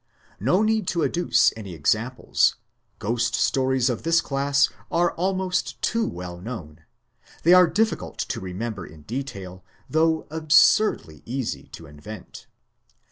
No need to adduce any ex amples: ghost stories of this class are almost too well known; they are difficult to remember in detail, though absurdly easy to invent.